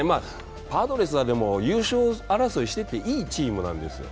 パドレスは、でも優勝争いしてていいチームなんですよ。